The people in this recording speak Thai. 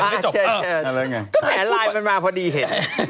แหมไลน์มันมาพอดีเห็น